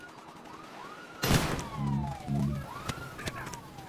Se debate la cuestión de cómo describir mejor esta situación.